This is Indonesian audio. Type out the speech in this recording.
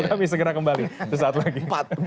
kami segera kembali